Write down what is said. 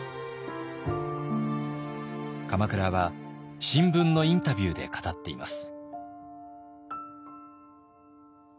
鎌倉は新聞のインタビューで語っています。